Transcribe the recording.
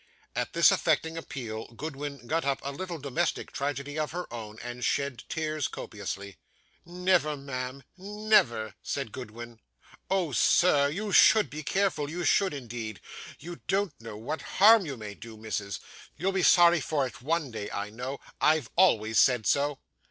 At this affecting appeal, Goodwin got up a little domestic tragedy of her own, and shed tears copiously. 'Never, ma'am never,' said Goodwin. 'Oh, sir, you should be careful you should indeed; you don't know what harm you may do missis; you'll be sorry for it one day, I know I've always said so.